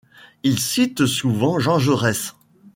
Il cite souvent Jean Jaurès.